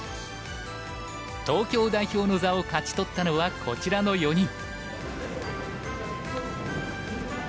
東京代表の座を勝ち取ったのはこちらの４人。